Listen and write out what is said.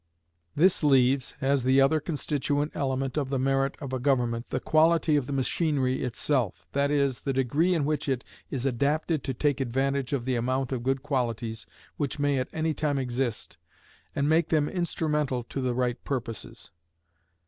This leaves, as the other constituent element of the merit of a government, the quality of the machinery itself; that is, the degree in which it is adapted to take advantage of the amount of good qualities which may at any time exist, and make them instrumental to the right purposes.